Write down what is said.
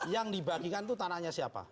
yang dibagikan itu tanahnya siapa